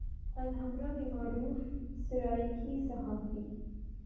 الحمرا میں معروف سرائیکی صحافی